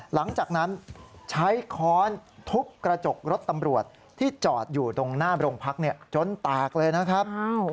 หลังจากนั้นใช้ค้อนทุบกระจกรถตำรวจที่จอดอยู่ตรงหน้าโรงพักจนแตกเลยนะครับ